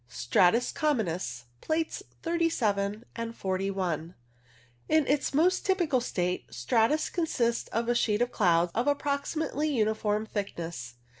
Stratus communis (Plates 37 and 41), In its most typical state, stratus consists of a sheet of cloud of approximately uniform thickness.